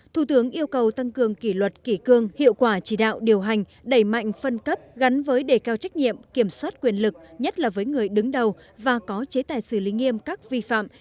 thủ tướng yêu cầu tăng cường kỷ luật kỷ cương hiệu quả chỉ đạo điều hành đẩy mạnh phân cấp gắn với đề cao trách nhiệm kiểm soát quyền lực nhất là với người đứng đầu và có chế tài xử lý nghiêm các vi phạm